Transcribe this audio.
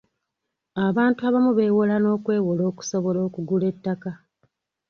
Abantu abamu beewola n'okwewola okusobola okugula ettaka.